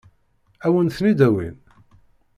Ad wen-ten-id-awin?